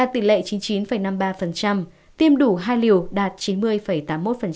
tỷ lệ chín mươi chín năm mươi ba tiêm đủ hai liều đạt chín mươi tám mươi một